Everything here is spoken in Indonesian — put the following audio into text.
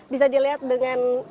bisa dilihat dengan